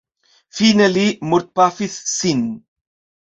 Fine li mortpafis sin.